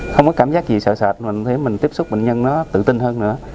không có cảm giác gì sợ sạch mình thấy mình tiếp xúc bệnh nhân nó tự tin hơn nữa